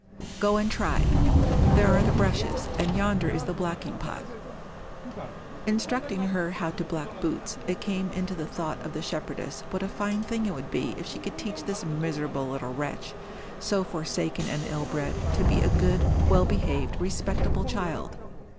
"Go and try. There are the brushes, and yonder is the blacking pot." Instructing her how to black boots, it came into the thought of the shepherdess what a fine thing it would be if she could teach this miserable little wretch, so forsaken and ill bred, to be a good, well behaved, respectable child.